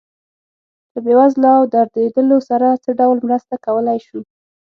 له بې وزلو او دردېدلو سره څه ډول مرسته کولی شو.